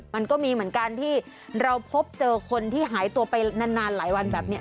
มันก็มีเหมือนกันที่เราพบเจอคนที่หายตัวไปนานหลายวันแบบนี้